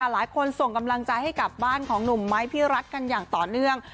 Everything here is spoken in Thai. ส่งกำลังใจให้กับบ้านของหนุ่มไม้พี่รัฐกันอย่างต่อเนื่อง